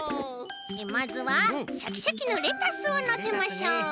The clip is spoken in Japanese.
まずはシャキシャキのレタスをのせましょう！